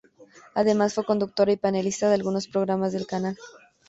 Además, fue conductora y panelista de algunos programas del canal.